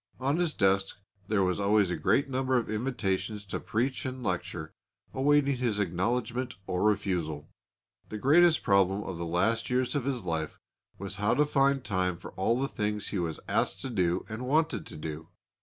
On his desk there was always a great number of invitations to preach and lecture awaiting his acknowledgment or refusal. The greatest problem of the last years of his life was how to find time for all the things he was asked to do and wanted to do.